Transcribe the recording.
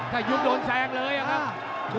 ถ้ายุบโดนแซงเลยอะครับ